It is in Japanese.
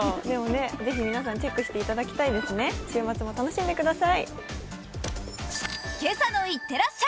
ぜひ皆さんにチェックしていただきたいですね、週末も楽しんでください。